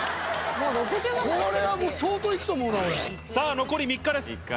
これはもう、相当いくと思うな、さあ残り３日です。